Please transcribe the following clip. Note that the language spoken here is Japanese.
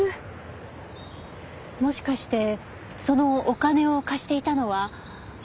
もしかしてそのお金を貸していたのは。